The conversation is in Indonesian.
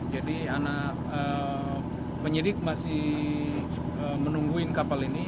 jadi anak penyidik masih menungguin kapal ini